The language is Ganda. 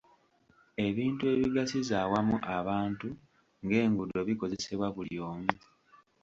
Ebintu ebigasiza awamu abantu ng'enguudo bikozesebwa buli omu.